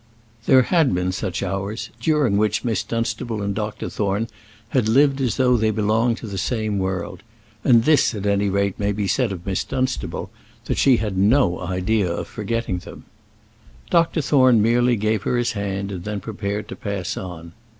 There had been such hours, during which Miss Dunstable and Dr. Thorne had lived as though they belonged to the same world: and this at any rate may be said of Miss Dunstable, that she had no idea of forgetting them. Dr. Thorne merely gave her his hand, and then prepared to pass on.